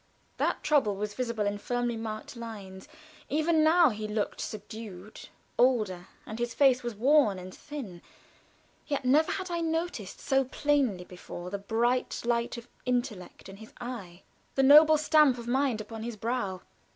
That trouble was visible in firmly marked lines, even now; he looked subdued, older, and his face was thin and worn. Yet never had I noticed so plainly before the bright light of intellect in his eye; the noble stamp of mind upon his brow.